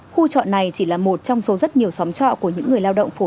khu trọ này chỉ là một trong số rất nhiều xóm trọ của những người lao động phổ